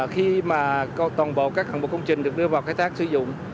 khi mà toàn bộ các hạng mục công trình được đưa vào khai thác sử dụng